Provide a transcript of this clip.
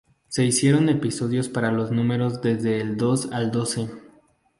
Se hicieron episodios para los números desde el dos al doce.